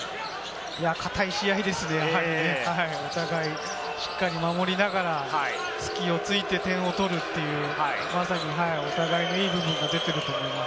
堅い試合ですね、やはりね、お互い、しっかり守りながら、隙をついて点を取るという、まさに、お互いいい部分が出ていると思います。